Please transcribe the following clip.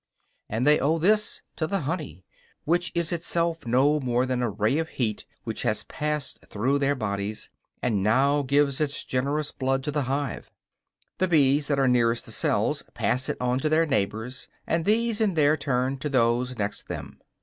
And they owe this to the honey, which is itself no more than a ray of heat which has passed through their bodies, and now gives its generous blood to the hive. The bees that are nearest the cells pass it on to their neighbors, and these in their turn to those next them.